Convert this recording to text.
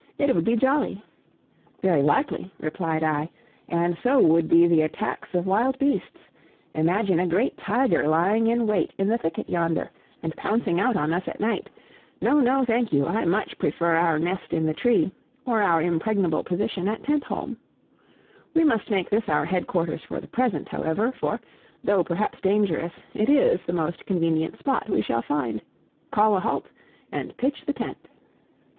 It would be jolly." "Very likely," replied I, "and so would be the attacks of wild beasts; imagine a great tiger lying in wait in the thicket yonder, and pouncing out on us at night. No, no, thank you, I much prefer our nest in the tree, or our impregnable position at Tentholm. We must make this our headquarters for the present, however; for, though perhaps dangerous, it is the most convenient spot we shall find. Call a halt and pitch the tent."